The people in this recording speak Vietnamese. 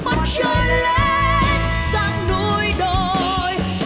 mặt trời lên sang núi đồi